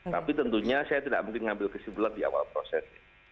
tapi tentunya saya tidak mungkin mengambil kesimpulan di awal proses